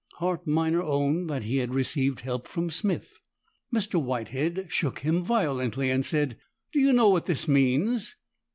Hart Minor owned that he had received help from Smith. Mr. Whitehead shook him violently, and said, "Do you know what this means?"